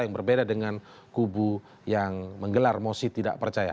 yang berbeda dengan kubu yang menggelar mosi tidak percaya